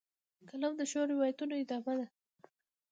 قلم د ښو روایتونو ادامه ده